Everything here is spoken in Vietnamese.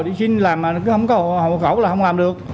đi xin làm mà cứ không có hộ khẩu là không làm được